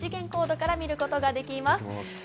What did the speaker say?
二次元コードから見ることができます。